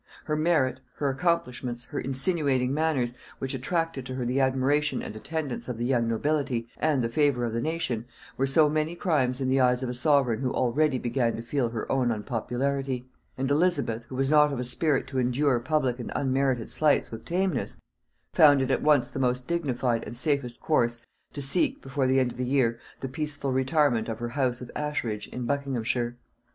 Her merit, her accomplishments, her insinuating manners, which attracted to her the admiration and attendance of the young nobility, and the favor of the nation, were so many crimes in the eyes of a sovereign who already began to feel her own unpopularity; and Elizabeth, who was not of a spirit to endure public and unmerited slights with tameness, found it at once the most dignified and the safest course, to seek, before the end of the year, the peaceful retirement of her house of Ashridge in Buckinghamshire.